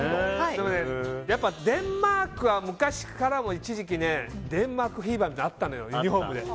やっぱデンマークは昔から一時期、デンマークフィーバーがあったのよユニホームで。